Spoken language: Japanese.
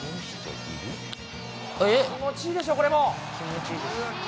気持ちいいでしょ、これも。